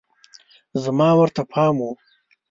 زما ورته پام و